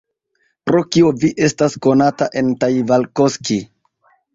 Pro kio vi estas konata en Taivalkoski?